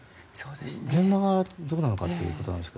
現場はどうなのかということなんですが。